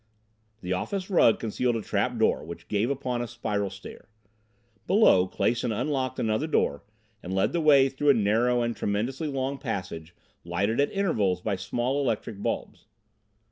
The office rug concealed a trap door which gave upon a spiral stair. Below, Clason unlocked another door and led the way through a narrow and tremendously long passage lighted at intervals by small electric bulbs.